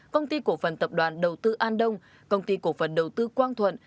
công ty cổ phần tập đoàn đầu tư an đông công ty cổ phần đầu tư quang thuận